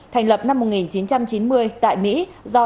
thành lập năm một nghìn chín trăm chín mươi tại mỹ do đào minh quân